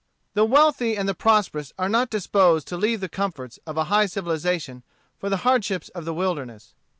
The wealthy and the prosperous are not disposed to leave the comforts of a high civilization for the hardships of the wilderness.